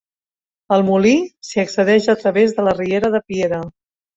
Al molí s'hi accedeix a través de la riera de Piera.